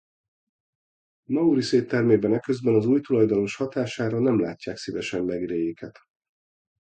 Maurice éttermében eközben az új tulajdonos hatására nem látják szívesen Maigret-éket.